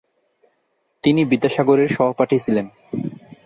তিনি বিদ্যাসাগরের সহপাঠী ছিলেন।